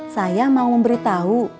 saya mau memberitahu